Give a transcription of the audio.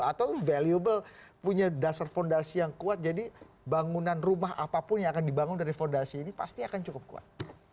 atau valuable punya dasar fondasi yang kuat jadi bangunan rumah apapun yang akan dibangun dari fondasi ini pasti akan cukup kuat